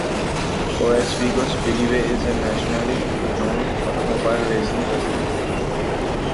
Oswego Speedway is a nationally known automobile racing facility.